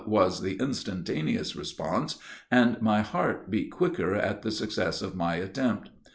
was the instantaneous response, and my heart beat quicker at the success of my attempt.